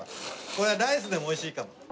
これはライスでもおいしいかも。